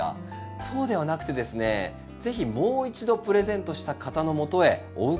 そうではなくてですね是非もう一度プレゼントした方のもとへお伺いしてですね